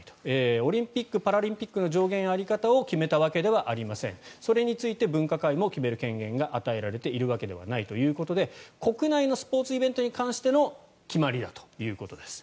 オリンピック・パラリンピックの上限や在り方を決めたわけではありませんそれについて分科会も決める権限が与えられているわけではないということで国内のスポーツイベントに関しての決まりだということです。